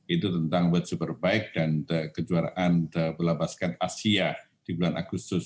itu tentang bursu perbaik dan kejuaraan telah belapaskan asia di bulan agustus